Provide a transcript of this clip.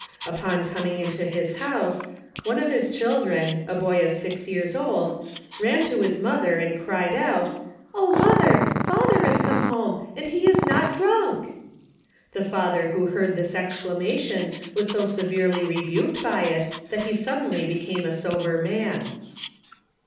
Upon coming into his house, one of his children, a boy of six years old, raj* 26 OV THE EFFECTS OF to his mother, and cried out, « O ! mother, father is come home, and he is not drunk." The father, who heard this exclamation, was so severely rebuked by it, that he sud denly became a sober man.